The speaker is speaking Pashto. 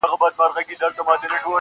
دي ښاد سي د ځواني دي خاوري نه سي,